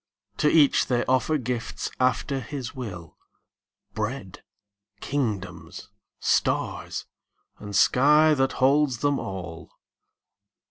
To each they offer gifts after his will, Bread, kingdoms, stars, and sky that holds them all.